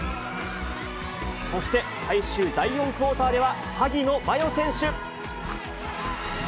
そして、最終第４クオーターでは萩野真世選手。